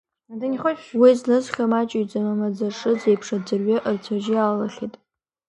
Уи злысхьоу маҷыҩӡам, амаӡашыӡ еиԥш аӡәырҩы рцәа-ржьы иалалахьеит.